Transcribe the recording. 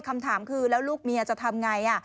คำถามคือแล้วลูกเมียจะทำไง